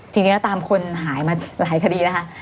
จริงแล้วตามคนหายมาหลายคดีนะคะ